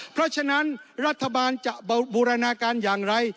เพราะฉะนั้นรัฐบาลจะบูรณาการอย่างไร